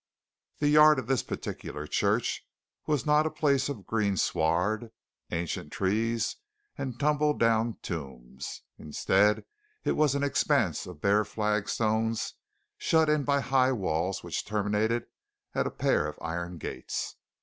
The yard of this particular church was not a place of green sward, ancient trees, and tumble down tombs; instead it was an expanse of bare flagstones, shut in by high walls which terminated at a pair of iron gates.